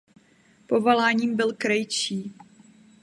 Povoláním byl krejčí.